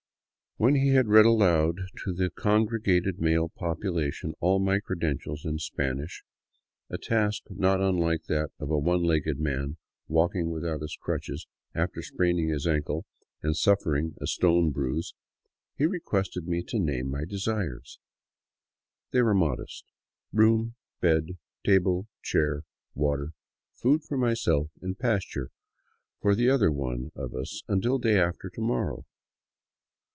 When he had read aloud to the congregated male population all my credentials in Spanish — a task not unlike that of a one legged man walking without his crutches after spraining his ankle and suffering a stone bruise — he requested me to name my desires. They were modest, — room, bed, table, chair, water, food for myself and pasture for the other one of us until day after to morrow.